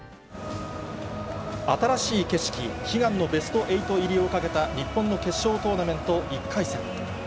新しい景色、悲願のベスト８入りをかけた日本の決勝トーナメント１回戦。